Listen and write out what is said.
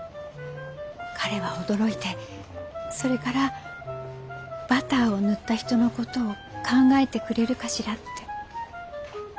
彼は驚いてそれからバターを塗った人のことを考えてくれるかしらって。